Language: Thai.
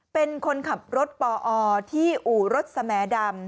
เป็นคนขับรถปอที่อู่รถสแมดำ